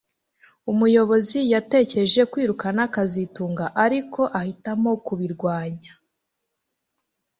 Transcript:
Umuyobozi yatekereje kwirukana kazitunga ariko ahitamo kubirwanya